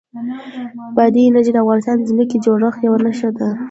بادي انرژي د افغانستان د ځمکې د جوړښت یوه نښه ده.